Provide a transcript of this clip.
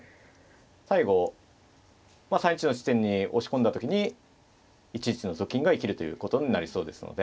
最後３一の地点に押し込んだ時に１一のと金が生きるということになりそうですので。